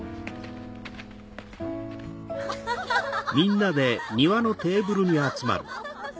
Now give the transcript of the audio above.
ハハハハハ。